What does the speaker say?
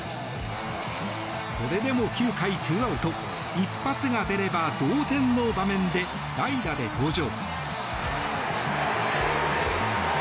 それでも９回２アウト一発が出れば同点の場面で代打で登場。